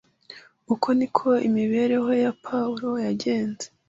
Uko ni ko imibereho ya Pawulo yagenze